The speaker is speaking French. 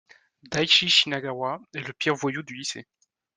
Daichi Shinagawa est le pire voyou du lycée.